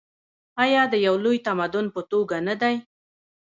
آیا د یو لوی تمدن په توګه نه دی؟